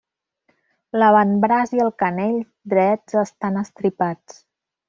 L'avantbraç i el canell drets estan estripats.